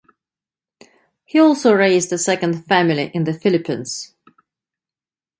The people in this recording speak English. He also raised a second family in the Philippines.